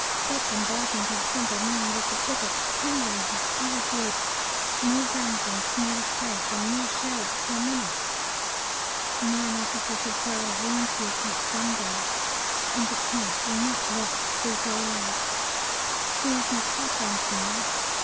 That bombardment on Sunday morning was the biggest any one has ever heard, more guns on smaller space, and more shells per minute. Nine officers have "died of wounds" here since Sunday, and the tenth will not live to see daylight. There is an attack on to night.